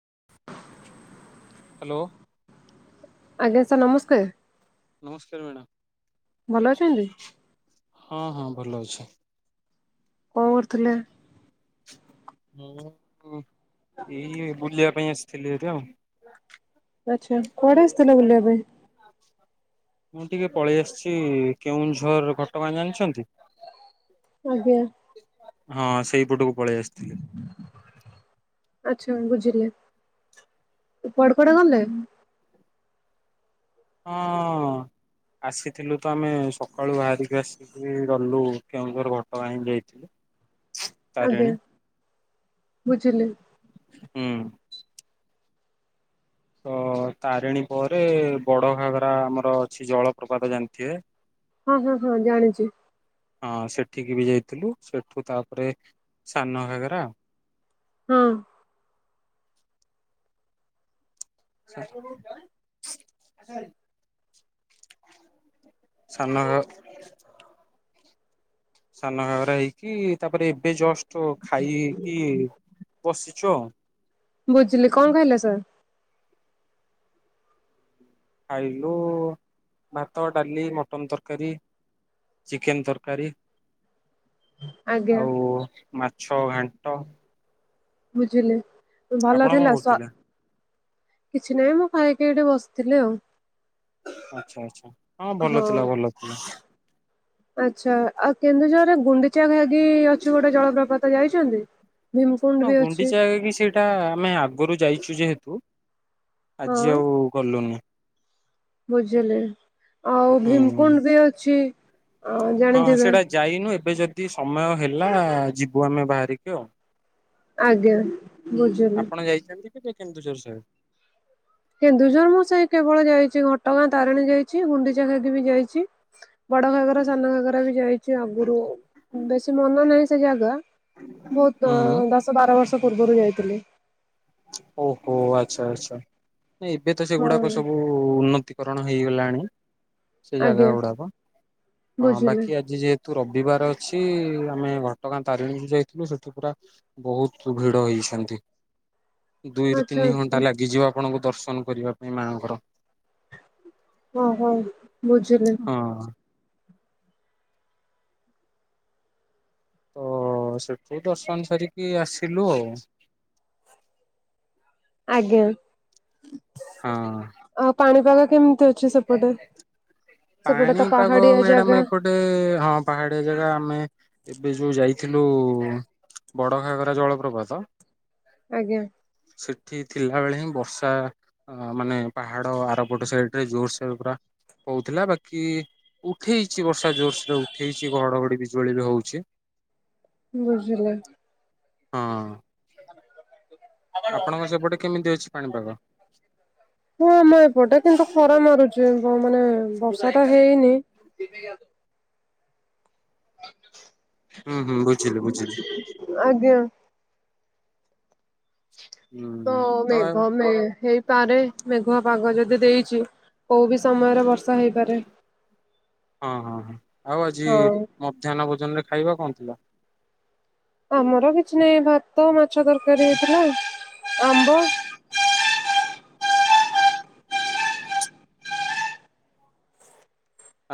[inaudible] Hello ଆଜ୍ଞା sir ନମସ୍କାର୍। ନମସ୍କାର ମ୍ୟାଡ଼ାମ୍ ଭଲ ଅଛନ୍ତି? ହଁ ହଁ ଭଲ ଅଛି। କଣ କରୁଥିଲେ। ହଁ ଏଇ ବୁଲିବା ପାଇଁ ଆସିଥିଲି ଏଠି ଆଉ। ଆଚ୍ଛା କୁଆଡେ ଆସିଥିଲେ ବୁଲିବା ପାଇଁ। ମୁଁ ଟିକେ ପଳେଇ ଆସିଛି କେଉଁଝର ଘଟଗାଁ ଜାଣିଛନ୍ତି। ଓହୋ। ହଁ ସେଇପଟକୁ ପଳେଇ ଆସିଥିଲି। ଆଚ୍ଛା ବୁଝିଲି କୁଆଡ଼େ କୁଆଡେ ଗଲେ? ହଁ। ଆସିଥିଲୁ ତ ଆମେ ସକାଳୁ ବାହାରିକି ଆସିକି ଗଲୁ କେଉଁଝର ଘଟ ଗାଁ ଯାଇଥିଲୁ। ଆଜ୍ଞା ତାରିଣୀ। ବୁଝିଲି। ହୁଁ। ତ ତାରିଣୀ ପରେ ବଡ ଘାଗରା ଆମର ଅଛି ଜଳପ୍ରପାତ ଜାଣିଥିବେ। ହଁ ହଁ ହଁ ଜାଣିଛୁ। ଉଠିକି ବି ଯାଇଥିଲୁ ସେଠୁ ତାପରେ ସାନ ଘାଗରା ହଁ। [unintelligible] ସାନ ଘାଗ ସାନ ଘଗରା ହେଇକି ତାପରେ ଏବେ ଜଷ୍ଟ ଖାଇ କି ବସିଛୁ ଆଉ। ବୁଝିଲି କଣ ଖାଇଲେ ସାର୍। ଖାଇଲୁ ଭାତ ଡାଲି ମଟନ୍ ତରକାରୀ। ଚିକେନ୍ ତରକାରୀ। ଆଜ୍ଞା ଆଉ ମାଛ ଘାଣ୍ଟ। ବୁଝିଲେ ଭଲ ଆପଣ କଣ ଥିଲା ସ୍ୱା କରୁଥିଲେ? କିଛି ନାହିଁ ମୁଁ ଖାଇକି ଏଠେ ବସିଥିଲି ଆଉ। ଆଚ୍ଛା ଆଛା ହଁ ଭଲ ଥିଲା ଭଲ ଥିଲା। ଆଚ୍ଛା ଆଉ କେନ୍ଦୁଝରରେ ଗୁଣ୍ଡିଚା ଘାଗି ଅଛି ଗୋଟେ ଜଳପ୍ରପାତ ଯାଇଛନ୍ତି? ଭୀମକୁଣ୍ଡ ହଁ ବି ଅଛି ଗୁଣ୍ଡିଚାଗାଗି କି ସେଇଟା ଆମେ ଆଗରୁ ଯାଇଛୁ ଯେହେତୁ ଆଜି ଆଉ ଗଲୁନି। ବୁଝିଲେ ଆଉ ହୁଁ। ଭୀମକୁଣ୍ଡ ବି ଅଛି। ଅ ହଁ ଜାଣିଥିବେ ସେଟା ଯାଇନୁ ଏବେ ଯଦି ଯଦି ସମୟ ହେଲା ଯିବୁ ଆମେ ବାହାରିକି ଆଉ। ଆଜ୍ଞା ବୁଝିଲି। କେ କେନ୍ଦୁଝର ସା ହିନ୍ଦୁ ଧର୍ମ ସେଇ କେବଳ ଯାଇଛି ଘଟଗାଁ ତାରିଣୀ ଯାଇଛି ଗୁଣ୍ଡିଚା ଘାଗି ବି ଯାଇଛି। ବଡ ଘାଗରା, ସାନ ଘାଗରା ବି ଯାଇଛି ଆଗରୁ ବେଶୀ ମନ ନାହିଁ ସେ ଜାଗା ବହୁତ ହୁଁ ଦ-ଦଶ ବାର ବର୍ଷ ପୂର୍ବରୁ ଯାଇଥିଲି। ଓହୋ ଆଚ୍ଛା ଆଚ୍ଛା ଏବେ ତ ସେଗୁଡାକ ହଁ ସବୁ ଉନ୍ନତି କରଣ ହେଇଗଲାଣି ସେ ଆଜ୍ଞା ଜାଗା ଗୁଡାକ ହଁ ବୁଝିଲି ବାକି ଆଜି ଯେ ତୁ ରବିବାର ଅଛି ଆମେ ଘଟଗାଁ ତାରିଣୀରୁ ଯାଇଥିଲୁ ସେଠୁ ପୁରା ବହୁତ ଭିଡ ହେଇଛି। ଛନ୍ତି। ଦୁଇରୁ ଆଚ୍ଛା ତିନି ଆଚ୍ଛା। ଘଣ୍ଟା ଲାଗିଯିବ ଆପଣଙ୍କୁ ଦର୍ଶନ କରିବା ପାଇଁ ମାଆଙ୍କର। ହଅ ହୋ ବୁଝିଲି। ହଁ। ତ ସେଠୁ ଦର୍ଶନ ସାରିକି ଆସିଲୁ ଆଉ। [inaudible] ଆଜ୍ଞା ହଁ। ଆଉ ପାଣିପାଗ କେମିତି ଅ? ସେପଟେ। ତ ପାଣିପାଗ ପାହାଡିଆ ଜାଗା ମ୍ୟାଡାମ ଏପଟେ ହଁ ପାହାଡିଆ ଜାଗା ଆମେ ଏବେ ଯୋଉ ଯାଇଥିଲୁ ବଡ ଘାଗରା ଜଳପ୍ରପାତ। ଆଜ୍ଞା। ସେଠି ଥିଲା ବେଳେ ହିଁ ବର୍ଷା ଆ ମାନେ ପାହାଡ ଆରପଟ ସାଇଡରେ ଜୋରସେ ସେ ପୁରା ହଉଥିଲା ବାକି ଉଠେଇଛି ବର୍ଷା ଜୋରସରେ ଉଠେଇଛି ଘଡଘଡି ବିଜୁଳି ବି ହଉଛି। ବୁଝିଲି। ହଁ। ଆପଣଙ୍କ ସେପଟେ କେମିତି ଅଛି ପାଣିପାଗ? ହଁ ମୁଁ ଏପଟେ କିନ୍ତୁ ଖରା ମାରୁ କଣ ମାନେ ବର୍ଷା ଟା ହେଇନି। ହୁଁ ହୁଁ ବୁଝିଲି ବୁଝିଲି ଆଜ୍ଞା। ତ ହୁଁ ଆଉ ମେଘ-ମେ ହେଇ ପରେ ମେଘୁଆ ପାଗ ଯଦି ଦେଇଛି କୋଉ ବିି ସମୟରେ ବର୍ଷ ସହିପାରେ। ହଁ ହଁ ହଁ ଆଉ ଆଜି ମଧ୍ୟାହ୍ନ ଭୋଜନରେ ଖାଇବା କଣ ଥିଲା? ଆମର କିଛି ନାହିଁ ଭାତ ମାଛ ତରକାରୀ ହେଇଥିଲା ଆମ୍ବ। ହ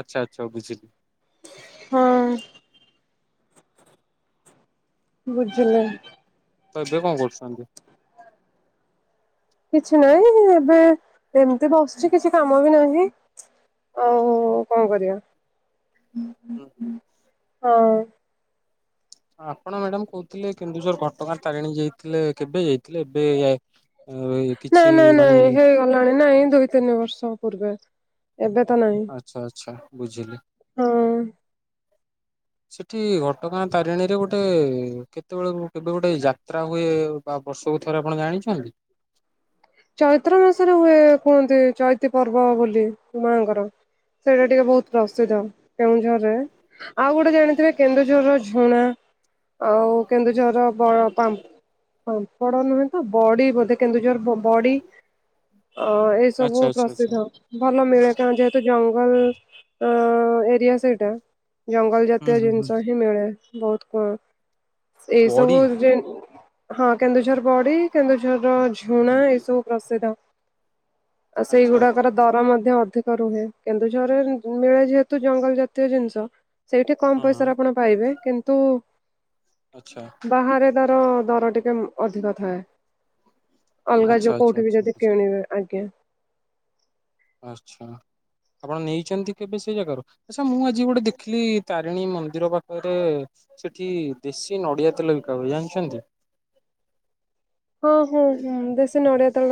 ଆଚ୍ଛା ଆଚ୍ଛା ବୁଝିଲି। ହଁ। ବୁଝିଲେ ତ ଏବେ କଣ କରୁଛନ୍ତି। କିଛି ନାହିଁ ଏବେ ଏମିତି ବସୁଛି କିଛି କାମ ବି ନାହିଁ। ଆଉ କଣ କରିବା। ହୁଁ ହୁଁ। ହଁ। ଆପଣ ମ୍ୟାଡାମ କହୁଥିଲେ କେନ୍ଦୁଝର ଘଟଗାଁ ତାରିଣୀ ଯାଇଥିଲେ କେବେ ଯାଇଥିଲେ ଏବେ କିଛି ନାଇ ନାଇ ମାନେ ନାଇଁ ହେଇଗଲାଣି ନାଇଁ ଦୁଇ ତିନି ବର୍ଷ ପୂର୍ବେ। ଏବେ ତ ନାହିଁ ଆଚ୍ଛା ଆଚ୍ଛା ବୁଝିଲି ହଁ। ସେଠି ଘଟଗାଁ ତାରିଣୀରେ ଗୋଟେ କେତେବେଳ କେବେ ଗୋଟେ ଯାତ୍ରା ହୁଏ ବା ବ ସବୁ ଥରେ ଆପଣ ଜାଣିଛନ୍ତି? ଚୈତ୍ର ମାସରେ ହୁଏ କୁହନ୍ତି ଚୈତି ପର୍ବ ବୋଲି ମାଙ୍କର। ସେଇଟା ଟିକେ ବହୁତ ପ୍ରସିଦ୍ଧ କେନ୍ଦୁଝରରେ ଆଉ ଗୋଟେ ଜାଣିଥିବେ କେନ୍ଦୁଝରର ଝୁଣା। ଆଉ କେନ୍ଦୁଝରର ବଡ ପାମ୍ପ ପାମ୍ପଡ ନୁହେଁ ତ ବଡି ବୋଧେ କେନ୍ଦୁଝୋର ବଡି ଅ ଏ ସବୁ ଆଚ୍ଛା ଆଚ୍ଛା ଆଚ୍ଛା ପ୍ରସିଦ୍ଧ ଭଲ ମିଳେ କାଣ ଯେହେତୁ ଆଁ ଏରିଆ ସେଇଟା ଜଙ୍ଗଲ ହୁଁ ଜାତୀୟ ହୁଁ ହୁଁ। ଜିନିଷ ହିଁ ମିଳେ। ବହୁତ କମ ବଡି ଏଇସବୁ ଯେ ହଁ କେନ୍ଦୁଝର ବଡି କେନ୍ଦୁଝରର ଝୁଣା ଏସବୁ ପ୍ରସିଦ୍ଧ। ଆଉ ଆଚ୍ଛା ଆଚ୍ଛା ସେଇଗୁଡାକର ଆଚ୍ଛା ଦର ମଧ୍ୟ ଅଧିକ। ରୁହେ କେନ୍ଦୁଝରରେ ମିଳେ ଯେହେତୁ ଜଙ୍ଗଲ ଜାତୀୟ ଜିନିଷ ସେଇଠି କମ ହଁ ହଁ ପଇସାରେ ଆପଣ ପାଇବେ କିନ୍ତୁ ଆଚ୍ଛା ବାହାରେ ଦର ଟିକେ ଅଧିକ ଥାଏ। ଅଲଗା ଆଚ୍ଛା ଯୋଗୁଁ ଆଚ୍ଛା କୋଉଁଠି ବି ଆଚ୍ଛା। ଯଦି ଆଚ୍ଛା କିଣିବ ଆଜ୍ଞା। ଆଚ୍ଛା। ଆପଣ ନେଇଛନ୍ତି। କେବେ ସେ ଜାଗାରୁ ଆଛା ମୁଁ ଆଜି ଗୋଟେ ଦେଖିଲି ତାରିଣୀ ମନ୍ଦିର ପାଖରେ ସେଠି ଦେଶୀ ନଡିଆ ତେଲ ବିକା ହୁଏ ଜାଣିଛନ୍ତି? ହଁ ହଁ ହଁ ଦେଶୀ ନଡ଼ିଆ ତ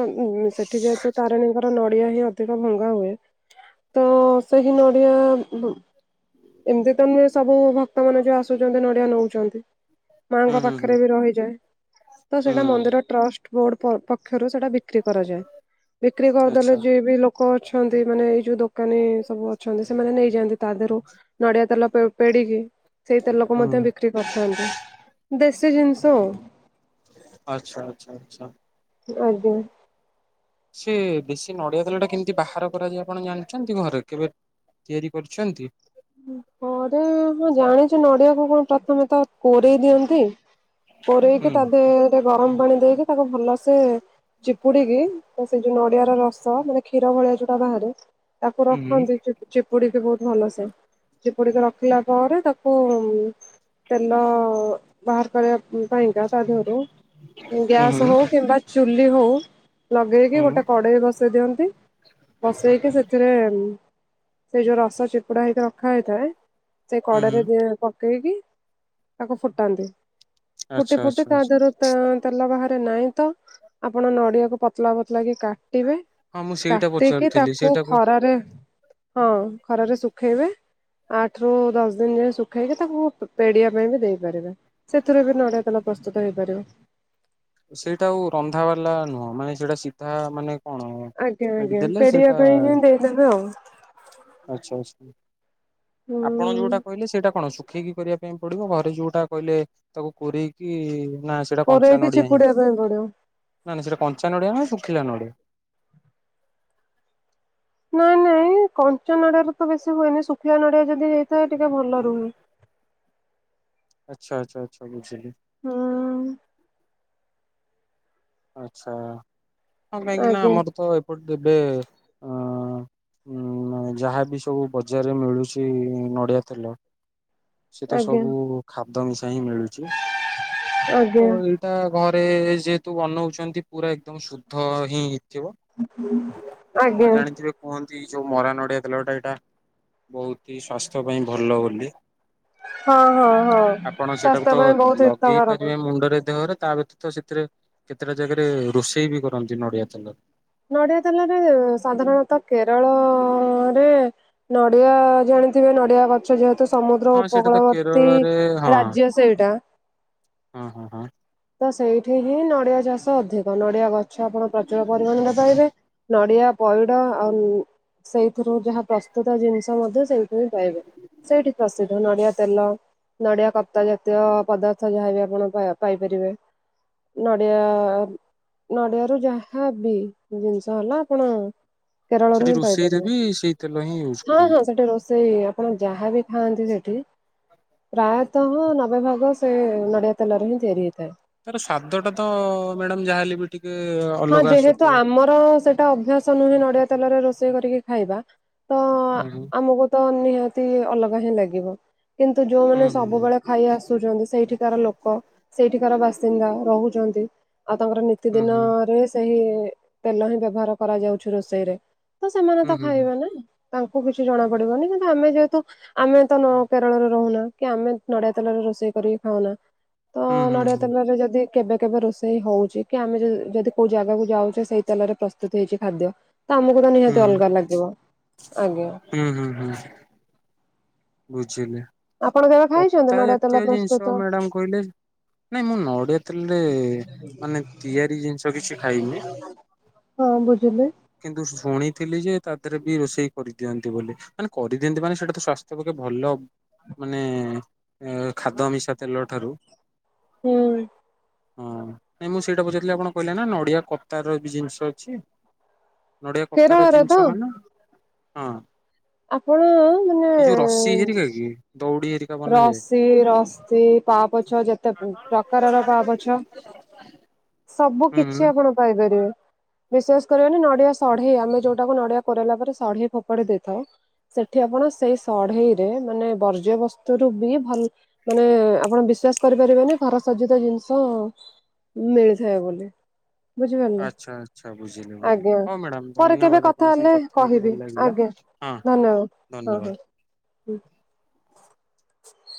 ସେଠି ଯେହେତୁ ତାରିଣୀଙ୍କର ନଡ଼ିଆ ନଡିଆ ହିଁ ଅଧିକ ଭଙ୍ଗା ହୁଏ ତ ସେଇ ନଡିଆ ଏମିତି ତ ନୁହେଁ। ସବୁ ଭକ୍ତ ମାନ ଯୋଉଁ ଆସୁଛନ୍ତି ନଡିଆ ନଉଛନ୍ତି। ହୁଁ ମାଙ୍କ ହୁଁ ପାଖରେ ହୁଁ। ବି ରହିଯାଏ ତ ସେଇଟା ହୁଁ ମନ୍ଦିର ଟ୍ରଷ୍ଟ ବୋର୍ଡ ପକ୍ଷରୁ ସେଟା ବିକ୍ରି କରାଯାଏ ବିକ୍ରି କରିଦେଲେ ଆଚ୍ଛା ଯିଏ ବି ଲୋକ ଅଛନ୍ତି ମାନେ ଯୋଉ ଦୋକାନୀ ସବୁ ଅଛନ୍ତି ସେମାନେ ନେଇଯାଆନ୍ତି ତା ଦେହରୁ ନଡିଆ ତେଲ ପେଡିକି ସେଇ ତେଲ କୁ ହୁଁ ମଧ୍ୟ ବିକ୍ରି କରିଥାନ୍ତି ଦେଶୀ ଜିନିଷ ଆଉ। ଆଛା ଆଚ୍ଛା ଆଚ୍ଛା। ଆଜ୍ଞା। ସେ ବେଶୀ ନଡ଼ିଆ ତେଲ ଟା କେମିତି ବାହାର କରାଯାଏ ଆପଣ ଜାଣିଛନ୍ତି? ଘରେ କେବେ ତିଆରି କରିୁଛନ୍ତି? ଘରେ ହଁ ଜାଣିଛୁ ନଡ଼ିଆକୁ କଣ ପ୍ରଥମେ ତ କୋରେଇ ଦିଅନ୍ତି କୋରେଇକି ତା ଦେହରେ ଗରମ ପାଣି ଦେଇକି ତାକୁ ଭଲସେ ଚିପୁଡ଼ିକି ସେଇ ଯୋଉଁ ନଡ଼ିଆ ରସ ମାନେ କ୍ଷୀର ଭଳିଆ ଯୋଉଟା ବାହାରେ ତାକୁ ରଖନ୍ତି ଚିପୁଡ଼ି କି ବହୁତ ଭଲ ସେ ଚିପୁଡ଼ି କି ରଖିଲା ପରେ ତାକୁ ତେଲ ବାହାର କରିବା ପାଇଁ କା ତା ଦେହରୁ ଗ୍ୟାସ ହଉ ହୁଁ-ହୁଁ-ହୁଁ-ହୁଁ-ହୁଁ-ହୁଁ କିମ୍ବା ଚୁଲି ହଉ ଲଗେଇକି ଗୋଟେ କଢ଼େଇ ବସେଇ ଦିଅନ୍ତି ବସେଇକି ସେଥିରେ ସେଥିରେ ସେଇ ଯୋଉଁ ରସ ଚିପୁଡ଼ା ହେଇକି ରଖା ହେଇଥାଏ ସେ କଢ଼େଇରେ ପକେଇକି ତାକୁ ଫୁଟାନ୍ତି। ଫୁଟି ଫୁଟି ତା ଆଚ୍ଛା-ଆଚ୍ଛା-ଆଚ୍ଛା। ଦେହରୁ ତେଲ ବାହାରେ ନାଇଁ ତ ଆପଣ ନଡ଼ିଆକୁ ପତଲା ପତଲା କି କାଟିବେ କାଟିବେ ହଁ ମୁଁ ସେଇଟା କାଟିକି ପଚାରୁଥିଲି ତାକୁ ସେଇଟାକୁ ଖରାରେ ହଁ ଖରାରେ ଶୁଖେଇବେ। ଆଠରୁ ଦଶ ଦିନ ଯାଏ ଶୁଖେଇକି ତାକୁ ପେଡ଼ିବା ପାଇଁ ବି ଦେଇପାରିବା ସେଥିରେ ବି ନଡ଼ିଆ ତେଲ ତେଲ ପ୍ରସ୍ତୁତ ହେଇପାରିବ। ସେଇଟା ଆଉ ରନ୍ଧା ବାଲା ନୁହଁ ମାନେ ସେଇଟା ସିଧା ମାନେ କଣ ଆଜ୍ଞା ପେଡି ଆଜ୍ଞା ପେଡ଼ିବା ପାଇଁ ହିଁ ଦେଇଦେବେ ଆଉ ଆଚ୍ଛା ଆଚ୍ଛା ଆପଣ ହୁଁ ଯୋଉଁଟା କହିଲେ ସେଇଟା କଣ ରଖେଇକି କରିବା ପାଇଁ ପଡ଼ିବ ଘରେ ଯୋଉଁଟା କହିଲେ ତାକୁ କୋରେଇକି ନା ସେଟା କଞ୍ଚା କୋରେଇକି ନଡ଼ିଆ ହିଁ ଚିପୁଡିବା ପାଇଁ ପଡିବ ନା ନା ସେଇଟା କଞ୍ଚା ନଡ଼ିଆ ଶୁଖିଲା। ଶୁଖିଲା ନଡ଼ିଆ। ନାଇଁ ନାଇଁ। କଞ୍ଚା ନଡ଼ିଆ ର ତ ବେଶୀ ହୁଏନି ଶୁଖିଲା ନଡ଼ିଆ ଯଦି ହେଇଥାଏ। ଟିକେ ଭଲ ରୁହେ। ଆଚ୍ଛା ଆଚ୍ଛା ଆଚ୍ଛା ବୁଝିଲି। ହଁ। ଆଚ୍ଛା ହଁ କାହିଁକି ନା ଆଜ୍ଞା ଆମର ତ ଏପଟେ ଏବେ ଅ ଉଁ ଯାହାବି ସବୁ ବଜାରରେ ମିଳୁଛି। ନଡ଼ିଆ ତେଲ ସେ ତ ଆଜ୍ଞା ସବୁ ଖାତ ମିଶା ହିଁ ମିଳୁଛି ତ ଆଜ୍ଞା ଏଇଟା ଘରେ ଘରେ ଯେହେତୁ ବନଉଛନ୍ତି ପୁରା ଏକଦମ ଶୁଦ୍ଧ ହିଁ ହେଇଥିବ। ଆଉ ଆଜ୍ଞା। ଜାଣିଥିବେ କୁହନ୍ତି ଯୋଉ ମରା ନଡ଼ିଆ ତେଲଟା ଏଇଟା ବହୁତ ହି ସ୍ଵାସ୍ଥ୍ୟ ପାଇଁ ଭଲ ବୋଲି ହଁ ହଁ ହଁ ଆପଣ ସେଟାକୁ ସ୍ୱାସ୍ଥ୍ୟ ତ ପାଇଁ ବହୁତ ଲଗେଇ ହିତକାରକ। ପାରିବେ ମୁଣ୍ଡରେ ଦେହରେ। ତା ବ୍ୟତୀତ ସେଥିରେ କେତେଟା ଜାଗାରେ ରୋଷେଇ ବି କରନ୍ତି ନଡ଼ିଆ ତେଲରେ। ନଡ଼ିଆ ତେଲରେ ସାଧାରଣତଃ କେରଳରେ ନଡ଼ିଆ ଜଗାଉଥିବେ। ଜଗାଉଥିବେ ନଡ଼ିଆ ଗଛ ଯେହେତୁ ସମୁଦ୍ର ହଁ ସେଇଟା ତ ଉପକୂଳବର୍ତ୍ତୀ କେରଳରେ ହଁ ରାଜ୍ୟ ସେଇଟା। ହଁ ହଁ ହଁ। ତ ସେଇଠି ହିଁ ନଡ଼ିଆ ଚାଷ ଅଧିକ ନଡ଼ିଆ ଗଛ ଆପଣ ପ୍ରଚୁର ପରିମାଣରେ ପାଇବେ। ନଡ଼ିଆ ପଇଡ଼ ଆଉ ସେଇଥିରୁ ଯାହା ପ୍ରସ୍ତୁତ ଜିନିଷ ମଧ୍ୟ ସେଇଥିରେ ପାଇବେ। ସେଇଠି ପ୍ରସିଦ୍ଧ ନଡ଼ିଆ ତେଲ ନଡ଼ିଆ କତା ଜାତୀୟ ପଦାର୍ଥ ଯାହାବି ଆପଣ ପାଇପାରିବେ। ପାଇପାରିବେ। ନଡ଼ିଆ ନଡ଼ିଆରୁ ଯାହାବି ଜିନିଷ ହେଲା ଆପଣ କେରଳରୁ ସେଠି ହିଁ ରୋଷେଇରେ ବି ପାଇପାରିବେ ସେଇ ତେଲ ହିଁ ୟୁଜ ହଁ ହଁ କରନ୍ତି। ସେଠି ସେଇ ଆପଣ ଯାହା ବିି ଖାଆନ୍ତି ସେଠି ପ୍ରାୟତଃ ନବେ ଭାଗ ସେ ନଡ଼ିଆ ତେଲରେ ହିଁ ତିଆରି ହୋଇଥାଏ। ତାର ସ୍ବାଦ ଟା ତ ମ୍ୟାଡ଼ାମ ଯାହାହଲେ ବି ଟିକେ ଅଲଗା ଥିବ। ହଁ ଯେହେତୁ ଆମର ସେଟା ଅଭ୍ୟାସ ନୁହେଁ ନଡ଼ିଆ ତେଲରେ ରୋଷେଇ କରିକି ଖାଇବା। ତ ହୁଁ ହୁଁ ଆମକୁ ତ ନିହାତି ଅଲଗା ହିଁ ଲାଗିବ। କିନ୍ତୁ ଯେଉଁମାନେ ହୁଁ ହୁଁ ହୁଁ ସବୁବେଳେ ଖାଇ ଆସୁଛନ୍ତି ସେଠିକାର ଲୋକ ସେଇଠିକାର ବାସିନ୍ଦା ରହୁଛନ୍ତି। ଆଉ ତାଙ୍କର ନୀତି ହୁଁ ଦିନ ହୁଁ। ସେହି ତେଲ ହିଁ ବ୍ୟବହାର କରାଯାଉଛି ରୋଷେଇରେ ତ ସେମାନେ ହୁଁ ତ ହୁଁ ଖାଇବେ ନା। ତାଙ୍କୁ କିଛି ଜଣା ପଡିବନି କିନ୍ତୁ ଆମେ ଯେହେତୁ ଆମେ ତ କେରଳରେ ରହୁନା କି ଆମେ ନଡିଆ ତେଲ ର ରୋଷେଇ କରି ଖାଉନା। ତ ହୁଁ ନଡିଆ ହୁଁ ତେଲରେ ଯଦି କେବେ କେବେ ରୋଷେଇ ହଉଛି କି ଆମେ ଯଦି କୋଉ ଜାଗାକୁ ଯାଉଛେ ସେଇ ତଲରେ ପ୍ରସ୍ତୁତ ହେଇଛି ଖାଦ୍ୟ ତ ଆମକୁ ତ ହୁଁ ନିହାତି ଅଲଗା ହୁଁ ଲାଗିବ ଆଜ୍ଞା। ବୁଝିଲେ ଆପଣ କେବେ ଖାଇଛନ୍ତି କତା ନଡିଆ ତେଲ ଜାତୀୟ ପ୍ରସ୍ତୁତ? ଜିନିଷ ମ୍ୟାଡାମ କହିଲେ? ନାଇଁ ମୁଁ ନଡିଆ ତେଲରେ ମାନେ ତିଆରି ଜିନିଷ କିଛି ଖାଇନି। ହଁ ବୁଝିଲି। କିନ୍ତୁ ଶୁଣିଥିଲି ଯେ ତା ଦେହରେ ବି ରୋଷେଇ କରିଛି। ଦିଅନ୍ତି ବୋଲି ମାନେ କରିଦିଅନ୍ତି ମାନେ ସେଇଟା ତ ସଵାସ୍ଥ୍ୟ ପକେ ଭଲ। ମାନେ ଖାଦ୍ୟ ମିଶା ତେଲ ଠାରୁ ହୁଁ ହଁ ନାଇଁ ମୁଁ ସେଇଟା ପଚାରଥିଲି ଆପଣ କହିଲେ ନା ନଡିଆ କପତାର ବି ଜିନିଷ ଅଛି। ନଡିଆ କତାର କେରଳରେ ତ ଜିନିଷ ମାନ ହଁ। ଆପଣ ମାନେ ଏଇ ଯୋଉ ରସି ହେରିକା କି ଦଉଡି ହେରିକା ବନାଯାଏ। ରସି ରଶ ପା ପଛ ଯେତେ ପ୍ରକାରର ପା ପଛ। ହହ କିଛି ଆପଣ ପାଇପାରିବେ। ବିଶ୍ୱାସ କରିବେନି ନଡିଆ ସଢେଇ ଆମେ ଯୋଉଟାକୁ ନଡିଆ କରୋଇଲା ପରେ ସଢେ ଫୋପାଡ଼ି ଦେଇଥାଉ ସେଠି ଆପଣ ସେଇ ସଢେଇ ରେ ମାନେ ବର୍ଜ୍ୟବସ୍ତୁ। ବି ଭଲ ମାନେ ଆପଣ ବିଶ୍ୱାସ କରିପାରିବେନି ଘର ସଜିତ ଜିନିଷ ମିଳିଥାଏ ବୋଲି। ବୁଝିପାରିଲ ଆଚ୍ଛା ଆଚ୍ଛା ବୁଝିଲି ବୁଝିଲି ଆଜ୍ଞା ହଉ ମ୍ୟାଡ଼ାମ ପରେ କେବେ ଧନ୍ୟବାଦ କଥା ଆପଣଙ୍କ ସାଙ୍ଗେ ହେଲେ ହେଇକି କହିବି ଭଲ ଲାଗିଲା। ଆଜ୍ଞା। ହଁ ହଁ ଧନୀୟ ବାଦେ ହଁ ଧନ୍ୟବାଦ। ହଁ ହ।